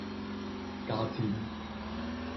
加簽